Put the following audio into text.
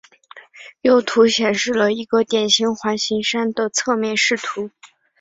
右图显示了一个典型环形山的侧面视图。